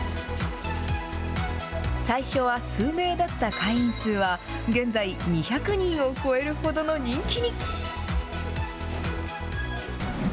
最初は数名だった会員数は、現在２００人を超えるほどの人気に。